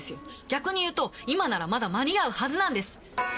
「逆に言うと今ならまだ間に合うはずなんです」